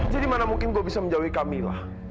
jadi mana mungkin gue bisa menjauhi camilla